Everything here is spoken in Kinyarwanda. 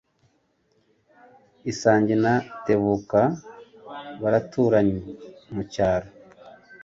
Isange na Tebuka baraturanye mucyaro